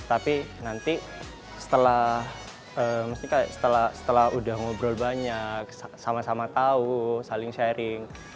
tapi nanti setelah udah ngobrol banyak sama sama tahu saling sharing